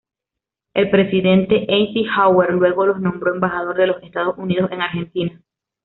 El presidente Eisenhower luego lo nombró embajador de los Estados Unidos en Argentina.